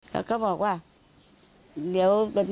เขาก็บอกว่าเดี๋ยว